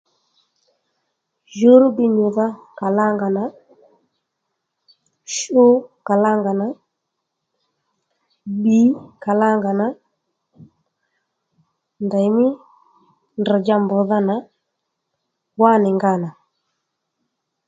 Jǔwrrgi nyùdha kalánga nà shu kalanga nà bbi kalanga na ndèymí ndrr̀dja mbrdhà nà wá nì nga nà